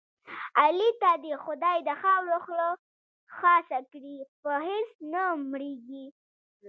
علي ته دې خدای د خاورو خوله خاصه کړي په هېڅ نه مړېږي.